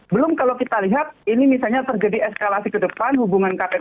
belum kalau kita lihat ini misalnya terjadi eskalasi ke depan hubungan kpk